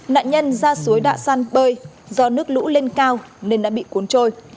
nạn nhân ra suối đạ san bơi do nước lũ lên cao nên đã bị cuốn trôi